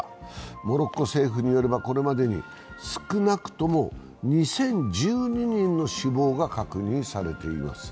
モロッコ政府によればこれまでに少なくとも２０１２人の死亡が確認されています。